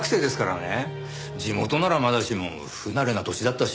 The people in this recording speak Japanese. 地元ならまだしも不慣れな土地だったし。